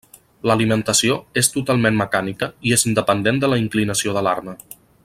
L'alimentació és totalment mecànica i és independent de la inclinació de l'arma.